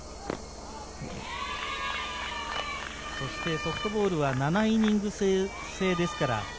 ソフトボールは７イニング制ですから。